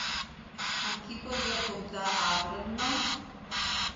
Amb qui podia comptar a Brno?